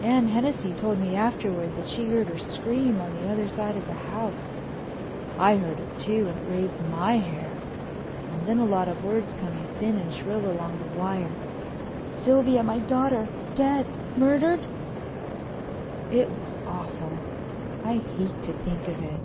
Anne Hennessey told me afterward that she heard her scream on the other side of the house. I heard it, too, and it raised my hair—and then a lot of words coming thin and shrill along the wire. "Sylvia, my daughter—dead—murdered?" It was awful, I hate to think of it.